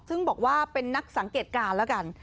ซึ่งบอกว่าเป็นนักสังเกตการณ์แล้วกัน